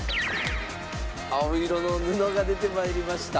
青色の布が出て参りました。